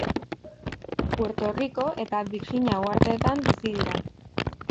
Puerto Rico, eta Birjina Uhartetan bizi dira.